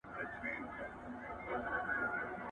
د بنو څښتنه په ارامه نه وي.